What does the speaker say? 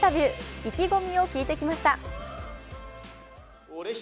意気込みを聞いてきました。